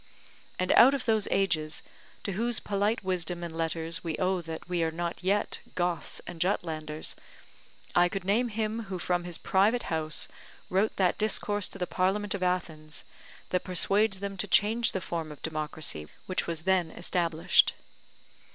And out of those ages, to whose polite wisdom and letters we owe that we are not yet Goths and Jutlanders, I could name him who from his private house wrote that discourse to the Parliament of Athens, that persuades them to change the form of democracy which was then established.